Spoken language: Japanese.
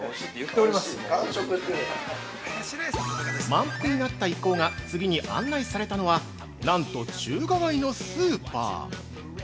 ◆満腹になった一行が次に案内されたのは、なんと中華街のスーパー！